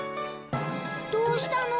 どうしたの？